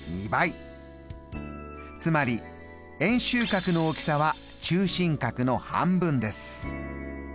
つまり円周角の大きさは中心角の半分です。